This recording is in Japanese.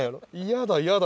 嫌だ嫌だ。